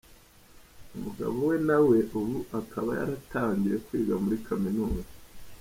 Umugabo we na we ubu akaba yaratangiye kwiga muri kaminuza.